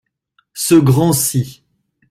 Ce grand-ci.